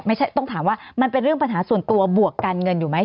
ต้องถามว่ามันเป็นเรื่องปัญหาส่วนตัวบวกการเงินอยู่ไหม